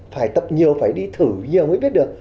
phải tập nhiều phải đi thử nhiều mới biết được